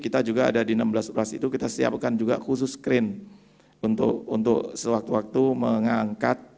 kita juga ada di enam belas enam belas itu kita siapkan juga khusus crane untuk sewaktu waktu mengangkat